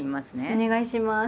お願いします。